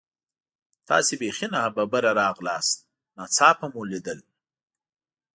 تاسې بیخي نا ببره راغلاست، ناڅاپه مو لیدل.